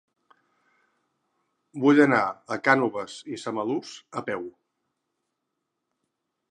Vull anar a Cànoves i Samalús a peu.